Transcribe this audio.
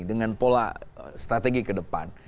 dengan pola strategi ke depan